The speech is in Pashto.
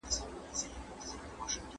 علمي او کدري څیړنې د پوهانو لخوا ترسره کیږي.